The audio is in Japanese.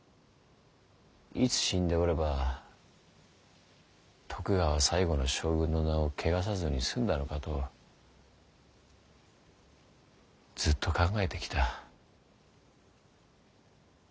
いつ死んでおれば徳川最後の将軍の名を穢さずに済んだのかとずっと考えてきた。